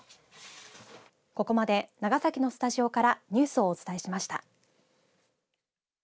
ここまで長崎のスタジオからニュースをお伝えしました。